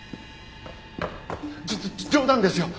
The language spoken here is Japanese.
じょじょ冗談ですよ。